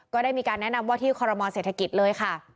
ก็ได้มีการแนะนำว่าที่คอรมอเศรษฐกิจเลยค่ะ